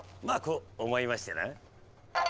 まあこう思いましてな。